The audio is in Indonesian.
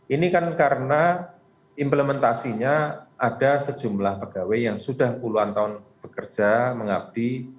ini kan karena implementasinya ada sejumlah pegawai yang sudah puluhan tahun bekerja mengabdi